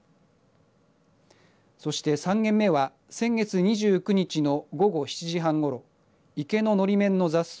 そして、３件目は先月２９日の午前７時半ごろ池ののり面の雑草